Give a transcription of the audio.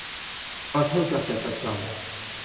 ประเทศเกษตรกรรม